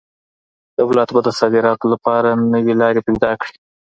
دولت به د صادراتو لپاره نوې لارې پیدا کړي.